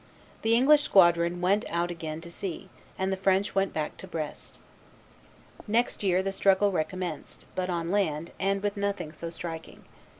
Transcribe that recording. The English squadron went out again to sea, and the French went back to Brest. Next year the struggle recommenced, but on land, and with nothing so striking.